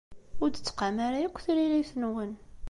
Ur d-tettqam ara akk tririt-nwen.